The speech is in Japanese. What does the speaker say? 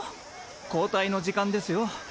交代の時間ですよ。